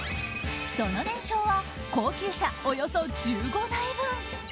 その年商は高級車およそ１５台分。